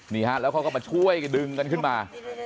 นี่ฮะก็ไปช่วยดึงกันขึ้นมา